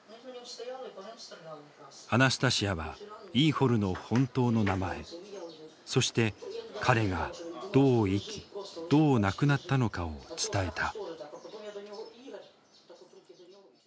アナスタシヤはイーホルの本当の名前そして彼がどう生きどう亡くなったのかを伝えた。